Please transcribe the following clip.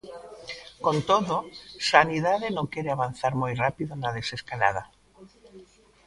Con todo, Sanidade non quere avanzar moi rápido na desescalada.